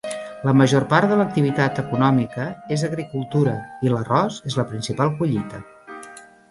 La major part de l'activitat econòmica és agricultura, i l'arròs és la principal collita.